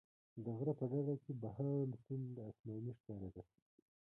د غره په ډډه کې بهاند سیند اسماني ښکارېده.